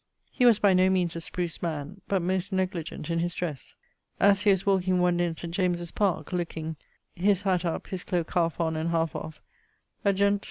He was by no meanes a spruce man, but most negligent in his dresse. As he was walking one day in St. James's parke, looking ..., his hatt up, his cloake halfe on and halfe off, a gent.